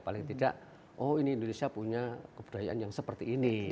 paling tidak oh ini indonesia punya kebudayaan yang seperti ini